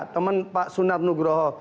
teman pak sunar nugroho